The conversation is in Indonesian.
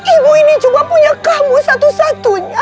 ibu ini cuma punya kamu satu satunya